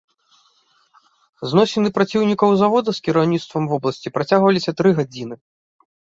Зносіны праціўнікаў завода з кіраўніцтвам вобласці працягваліся тры гадзіны.